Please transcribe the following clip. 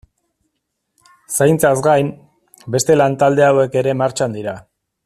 Zaintzaz gain, beste lantalde hauek ere martxan dira.